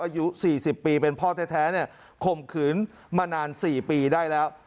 อายุสี่สิบปีเป็นพ่อแท้แท้เนี้ยคมขืนมานานสี่ปีได้แล้ว